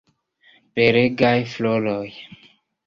Belegaj floroj!